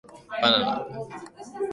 Banana